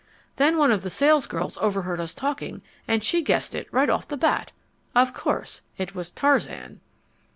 Then one of the salesgirls overheard us talking, and she guessed it right off the bat. Of course it was Tarzan.